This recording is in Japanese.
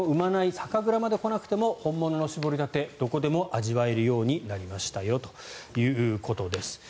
酒蔵まで来なくても本物の搾りたてをどこでも味わえるようになりましたよということです。